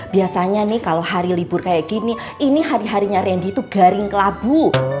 biasanya nih kalau hari libur kayak gini ini hari harinya randy itu garing kelabu